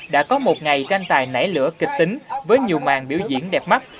đã có một ngày tranh tài nảy lửa kịch tính với nhiều màn biểu diễn đẹp mắt